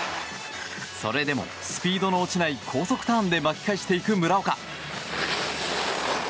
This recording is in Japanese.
それでもスピードの落ちない高速ターンで巻き返していく村岡。